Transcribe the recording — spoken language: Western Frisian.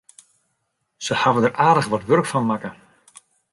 Se hawwe der aardich wat wurk fan makke.